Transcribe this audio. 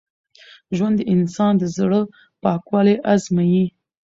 ژوند د انسان د زړه پاکوالی ازمېيي.